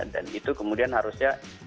dan itu kemudian harusnya